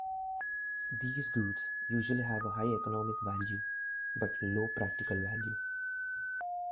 These goods usually have a high economic value, but low practical value.